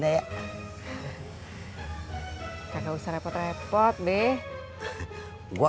gak ada uang pas aja